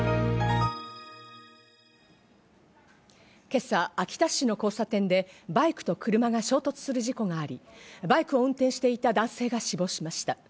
今朝、秋田市の交差点でバイクと車が衝突する事故があり、バイクを運転していた男性が死亡しました。